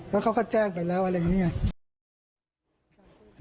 แล้วเขาก็แจ้งไปแล้วอะไรอย่างนี้ไง